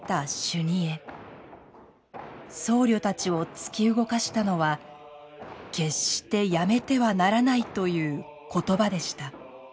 僧侶たちを突き動かしたのは決してやめてはならないという言葉でした。